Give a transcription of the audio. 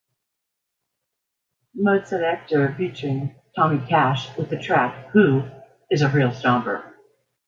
Modeselektor featuring Tommy Cash with the track "Who" is a real stomper!